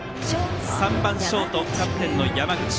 ３番、ショートキャプテンの山口。